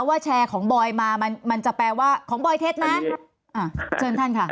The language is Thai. ว่าแชร์ของบอยมามันจะแปลว่าของบอยเท็จนะ